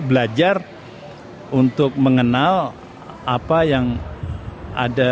belajar untuk mengenal apa yang ada